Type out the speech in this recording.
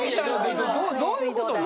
どういうことなの？